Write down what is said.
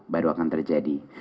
baru akan terjadi